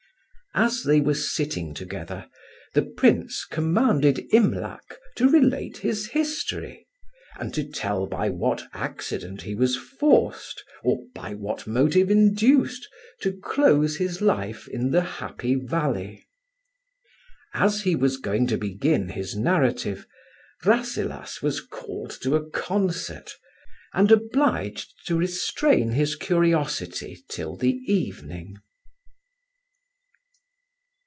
As they were sitting together, the Prince commanded Imlac to relate his history, and to tell by what accident he was forced, or by what motive induced, to close his life in the Happy Valley. As he was going to begin his narrative, Rasselas was called to a concert, and obliged to restrain his curiosity till the evening.